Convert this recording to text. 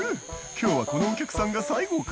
今日はこのお客さんが最後か」